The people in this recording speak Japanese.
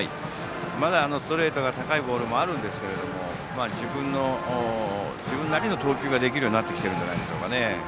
まだストレートが高いボールがあるんですが自分なりの投球ができるようになってきているんじゃないですか。